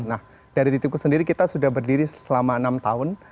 nah dari titiku sendiri kita sudah berdiri selama enam tahun